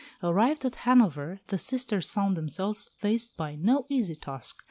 Arrived at Hanover the sisters found themselves faced by no easy task.